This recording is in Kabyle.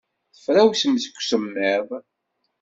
Tefrawsem seg usemmiḍ.